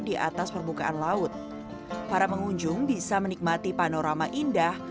di atas permukaan laut para pengunjung bisa menikmati panorama indah